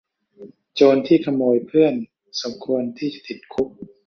โจรที่ขโมยเพื่อนสมควรที่จะติดคุก